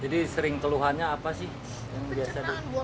jadi sering teluhannya apa sih